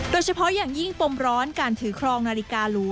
โดยเฉพาะอย่างยิ่งปมร้อนการถือครองนาฬิกาหรู